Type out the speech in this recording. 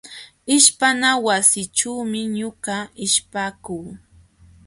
Ishpana wasićhuumi ñuqa ishpakuu.